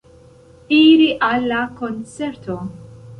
Iri al la koncerto.